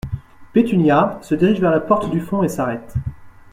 Pétunia , se dirige vers la porte du fond et s’arrête.